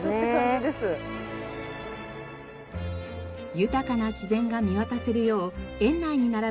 豊かな自然が見渡せるよう園内に並ぶ